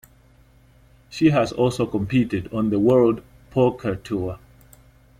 She has also competed on the World Poker Tour.